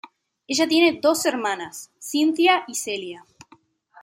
Ella tiene dos hermanas, Cynthia y Celia.